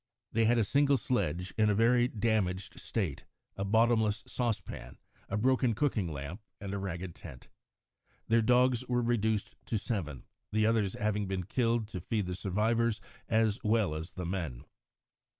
They had a single sledge in a very damaged state, a bottomless saucepan, a broken cooking lamp, and a ragged tent. Their dogs were reduced to seven, the others having been killed to feed the survivors as well as the men.